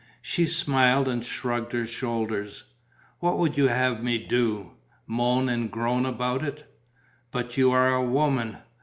She smiled and shrugged her shoulders: "What would you have me do? Moan and groan about it?" "But you are a woman